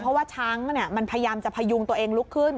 เพราะว่าช้างมันพยายามจะพยุงตัวเองลุกขึ้น